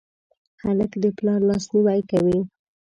هلک د پلار لاسنیوی کوي.